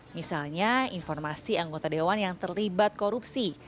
misalnya informasi anggota dewan yang terlibat korupsi